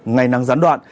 ngày nắng gián đoạn